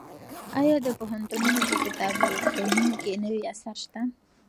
ایا د پوهنتونونو په کتابتونونو کې نوي اثار شته؟